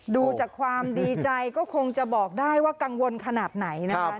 ดูจากความดีใจก็คงจะบอกได้ว่ากังวลขนาดไหนนะคะ